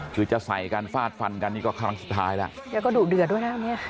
คือจะใส่กันฟาดฟันกันนี่ก็ครั้งสุดท้ายแล้วแกก็ดุเดือดด้วยนะเนี่ย